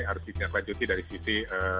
harus diterapkan dari sisi